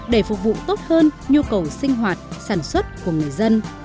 để phục vụ tốt hơn nhu cầu sinh hoạt sản xuất của người dân